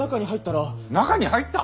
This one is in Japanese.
中に入った！？